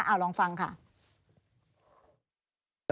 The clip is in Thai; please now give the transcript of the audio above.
เอาลองฟังค่ะ